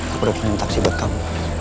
aku udah suruh taksi buat kamu